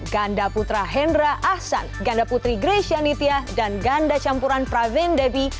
ganda putra hendra ahsan ganda putri grecia nitya dan ganda campuran pravin debbie